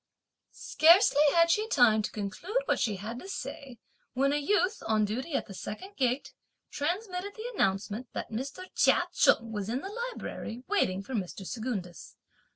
Scarcely had she time to conclude what she had to say when a youth, on duty at the second gate, transmitted the announcement that Mr. Chia Cheng was in the Library waiting for Mr. Secundus.